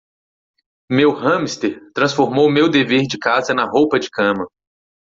Meu hamster transformou meu dever de casa na roupa de cama.